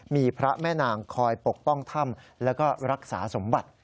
มีพระแม่นางคอยปกป้องถ้ำแล้วก็รักษาสมบัติ